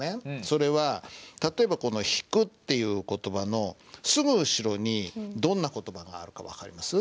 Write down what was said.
それは例えばこの「引く」っていう言葉のすぐ後ろにどんな言葉があるか分かります？